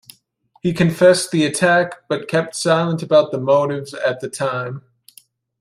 He confessed the attack, but kept silent about the motives at the time.